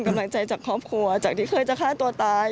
กำลังใจจากครอบครัวจากที่เคยจะฆ่าตัวตาย